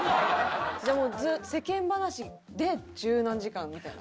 じゃあもうずっと世間話で十何時間みたいな？